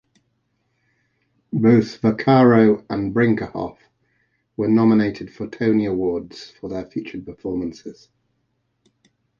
Both Vaccaro and Brinckerhoff were nominated for Tony Awards for their featured performances.